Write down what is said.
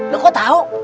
lo kok tau